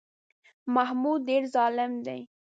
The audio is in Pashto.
محمود ډېر ظالم دی.